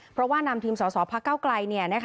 เพราะว่านำทีมสสพระเก้าไกล